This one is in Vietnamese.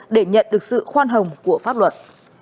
để nhận được sự khoan hồng của pháp luật